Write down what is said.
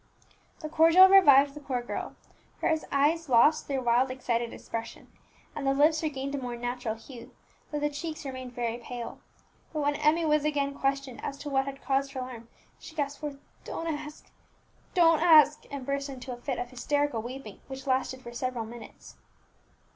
The cordial revived the poor girl; her eyes lost their wild excited expression, and the lips regained a more natural hue, though the cheeks remained very pale. But when Emmie was again questioned as to what had caused her alarm, she but gasped forth, "Don't ask, don't ask!" and burst into a fit of hysterical weeping, which lasted for several minutes.